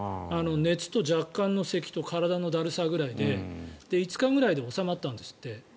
熱と若干のせきと体のだるさくらいで５日ぐらいで収まったんですって。